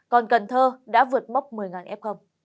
còn cần thơ đã vượt mốc một mươi f